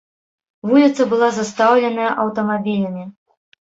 Вуліца была застаўленая аўтамабілямі.